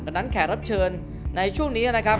ดังนั้นแขกรับเชิญในช่วงนี้นะครับ